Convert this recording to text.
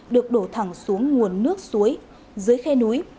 được đổ thẳng xuống nguồn nước suối dưới khe núi